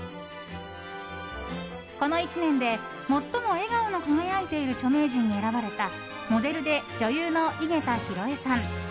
この１年で、最も笑顔の輝いている著名人に選ばれたモデルで女優の井桁弘恵さん。